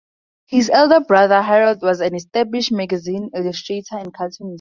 His elder brother, Harold, was an established magazine illustrator and cartoonist.